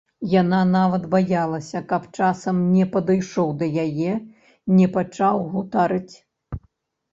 Яна нават баялася, каб часам не падышоў да яе, не пачаў гутарыць.